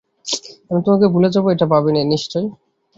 আমি তোমাকে ভুলে যাব, এটা ভাবোনি নিশ্চয়ই।